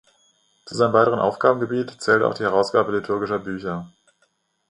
Zu seinem weiteren Aufgabengebiet zählte auch die Herausgabe liturgischer Bücher.